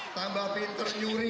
tambah pinter nyuri